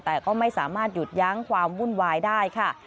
แต่ก็ไม่สามารถหยุดยั้งความวุ่นวายได้ค่ะ